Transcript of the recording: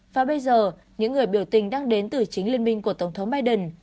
và bây giờ những người biểu tình đang đến từ chính liên minh của tổng thống biden